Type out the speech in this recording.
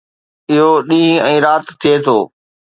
اهو ڏينهن ۽ رات ٿئي ٿو